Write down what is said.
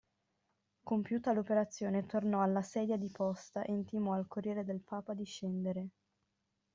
Compiuta l'operazione, tornò alla sedia di posta e intimò al Corriere del Papa di scendere.